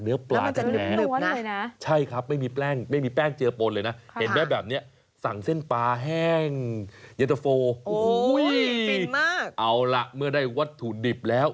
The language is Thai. เอาล่ะเมื่อได้วัตถุดิบแล้ว